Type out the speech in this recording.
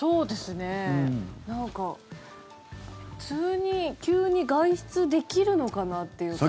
なんか、普通に急に外出できるのかなっていうか。